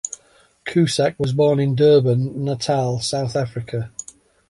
Cusack was born in Durban, Natal, South Africa.